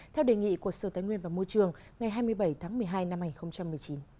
theo đề nghị của sở tài nguyên và môi trường ngày hai mươi bảy tháng một mươi hai năm hai nghìn một mươi chín